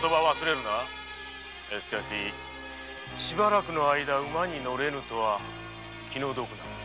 だがしかししばらくの間馬に乗れぬとは気の毒なことよな。